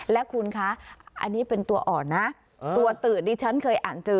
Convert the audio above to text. และคุณคะอันนี้เป็นตัวอ่อนนะตัวตืดดิฉันเคยอ่านเจอ